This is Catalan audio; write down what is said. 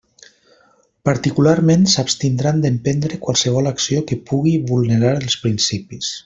Particularment s'abstindran d'emprendre qualsevol acció que pugui vulnerar els principis.